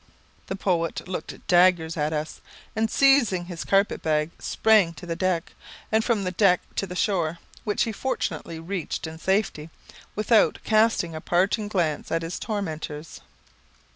The poet looked daggers at us, and seizing his carpet bag, sprang to the deck, and from the deck to the shore, which he fortunately reached in safety, without casting a parting glance at his tormentors.